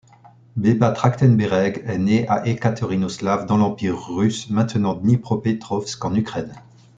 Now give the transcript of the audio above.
Beba Trakhtenbereg est née à Ekaterinoslav dans l'Empire russe, maintenant Dnipropetrovsk en Ukraine.